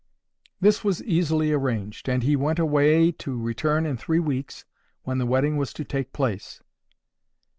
This was easily arranged, and he went away to return in three weeks, when the wedding was to take place.